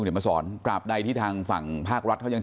เดี๋ยวมาสอนตราบใดที่ทางฝั่งภาครัฐเขายัง